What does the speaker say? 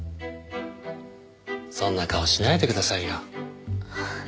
そんな顔しないでくださいよ。